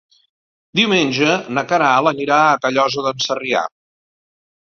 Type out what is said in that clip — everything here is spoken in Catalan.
Diumenge na Queralt anirà a Callosa d'en Sarrià.